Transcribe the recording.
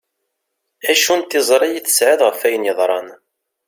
Acu n tiẓri i tesεiḍ ɣef ayen yeḍran?